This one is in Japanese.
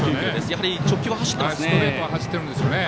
やはり直球は走っていますね。